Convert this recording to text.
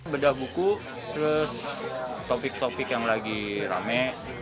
bedah buku terus topik topik yang lagi rame